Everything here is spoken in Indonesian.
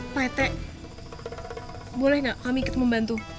pak ete boleh gak kami ikut membantu